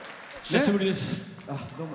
久しぶりです。